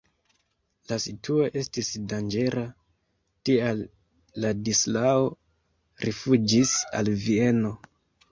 La situo estis danĝera, tial Ladislao rifuĝis al Vieno.